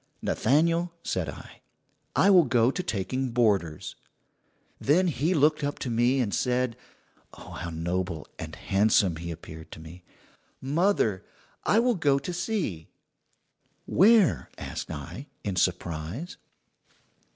"'Nathaniel,' said I, 'I will go to taking boarders.' "Then he looked up to me and said oh, how noble and handsome he appeared to me: "'Mother, I will go to sea.' "'Where?' asked I, in surprise.